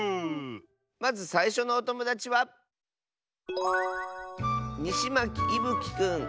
まずさいしょのおともだちはいぶきくんの。